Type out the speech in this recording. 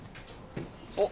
あっ！